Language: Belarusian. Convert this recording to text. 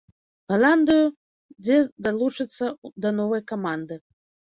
Галандыю, дзе далучыцца да новай каманды.